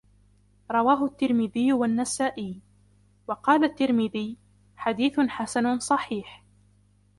رواهُ التِّرمذيُّ والنَّسائِيُّ، وقالَ التِّرمذيُّ: حديثٌ حسَنٌ صحيحٌ